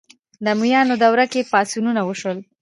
د امویانو دوره کې پاڅونونه وشول